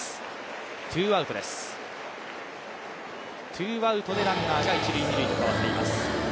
ツーアウトでランナーが一・二塁と回っています。